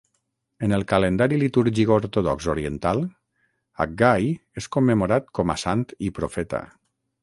En el calendari litúrgic ortodox oriental, Haggai és commemorat com a sant i profeta.